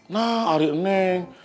nah ari neng